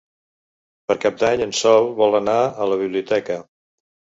Per Cap d'Any en Sol vol anar a la biblioteca.